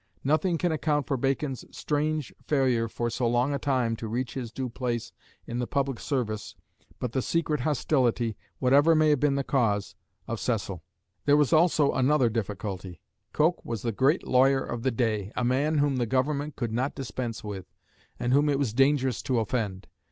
Nothing can account for Bacon's strange failure for so long a time to reach his due place in the public service but the secret hostility, whatever may have been the cause, of Cecil. There was also another difficulty. Coke was the great lawyer of the day, a man whom the Government could not dispense with, and whom it was dangerous to offend.